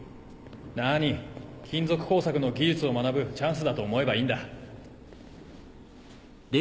なぁに金属工作の技術を学ぶチャンスだと思えばいいんだ。